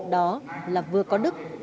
đó là vừa có đức